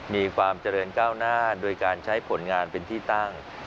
มีความเจริญก้าวหน้าโดยการใช้ผลงานเป็นที่ตั้ง